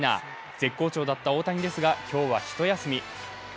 絶好調だった大谷ですが今日は一休み。